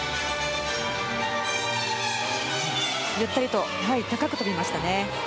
ゆったりと高く飛びましたね。